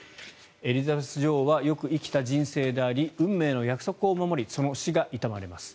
エリザベス女王はよく生きた人生であり運命の約束を守りその死が悼まれます。